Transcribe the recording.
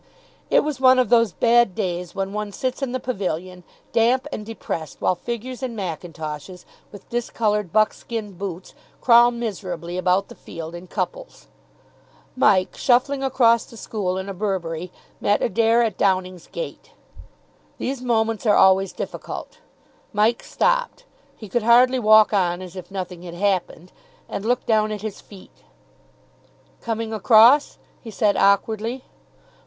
It was one of those bad days when one sits in the pavilion, damp and depressed, while figures in mackintoshes, with discoloured buckskin boots, crawl miserably about the field in couples. Mike, shuffling across to school in a Burberry, met Adair at Downing's gate. These moments are always difficult. Mike stopped he could hardly walk on as if nothing had happened and looked down at his feet. "Coming across?" he said awkwardly.